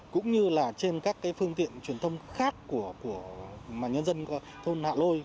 cũng như là trên các phương tiện truyền thông khác của nhân dân thôn hạ lôi